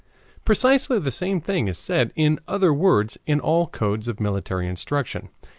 Precisely the same thing is said in other words in all codes of military instruction.